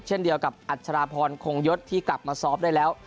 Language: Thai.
เช่นเดียวกับอัชราพรคงยศที่กลับมาซ้อมได้แล้ว